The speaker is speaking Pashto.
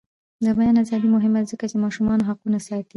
د بیان ازادي مهمه ده ځکه چې ماشومانو حقونه ساتي.